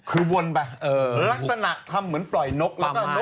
คือวนลักษณะทำเหมือนปล่อยนก